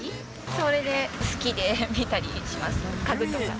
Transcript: それで好きで見たりします、家具とか。